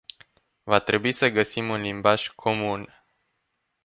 Va trebui să găsim un limbaj comun.